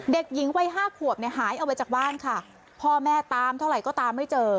เด็กหญิงวัยห้าขวบเนี่ยหายออกไปจากบ้านค่ะพ่อแม่ตามเท่าไหร่ก็ตามไม่เจอ